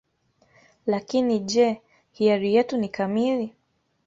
Lakini je, hiari yetu ni kamili?